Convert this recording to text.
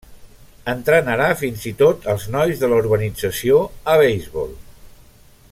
Entrenarà fins i tot els nois de la urbanització a beisbol.